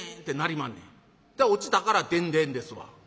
落ちたから『でんでん』ですわ」。